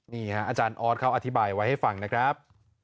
นี่ฮะอาจารย์ออสเขาอธิบายไว้ให้ฟังนะครับ